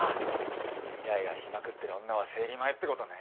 イライラしまくってる女は生理前ってことね。